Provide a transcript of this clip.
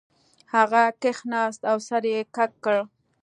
هغه کښیناست او سر یې کږ کړ